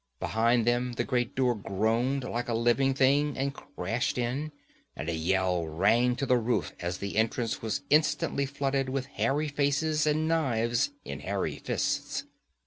Behind them the great door groaned like a living thing and crashed in, and a yell rang to the roof as the entrance was instantly flooded with hairy faces and knives in hairy fists.